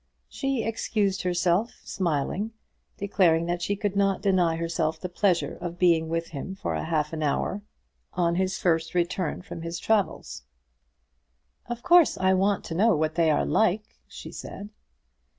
She excused herself, smiling, declaring that she could not deny herself the pleasure of being with him for half an hour on his first return from his travels. "Of course I want to know what they are like," she said.